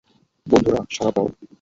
বন্ধুরা, সাড়া দাও।